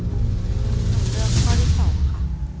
หนูเลือกตัวเลือกที่สองค่ะ